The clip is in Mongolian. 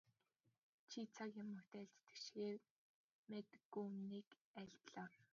Чи цаг ямагт айлддаг шигээ мадаггүй үнэнийг айлдлаа.